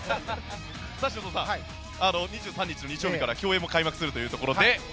修造さん２３日の日曜日から競泳も開幕するということで。